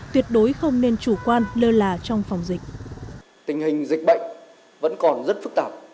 tuyệt đối không nên chủ quan lơ là trong phòng dịch